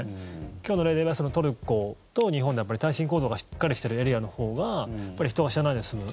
今日の例でいえばトルコと日本では耐震構造がしっかりしてるエリアのほうが人が死なないで済む。